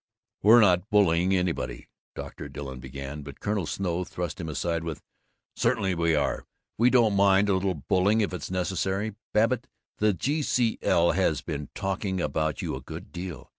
"We're not bullying anybody," Dr. Billing began, but Colonel Snow thrust him aside with, "Certainly we are! We don't mind a little bullying, if it's necessary. Babbitt, the G.C.L. has been talking about you a good deal.